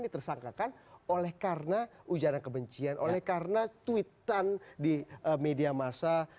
ditersangkakan oleh karena ujaran kebencian oleh karena tweetan di media masa